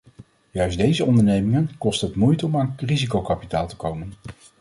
Juist deze ondernemingen kost het moeite om aan risicokapitaal te komen.